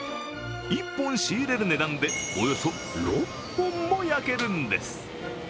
１本仕入れる値段でおよそ６本も焼けるんです。